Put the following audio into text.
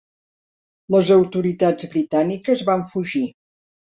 Les autoritats britàniques van fugir.